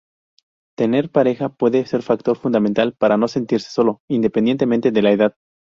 Tener pareja puede ser factor fundamental para no sentirse solo, independientemente de la edad.